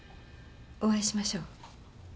お会いしましょう。